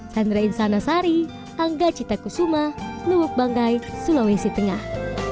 sandra insana sari angga cita kusuma luwak banggai sulawesi tengah